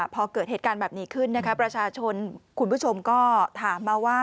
พอเกิดเหตุการณ์แบบนี้ขึ้นนะคะประชาชนคุณผู้ชมก็ถามมาว่า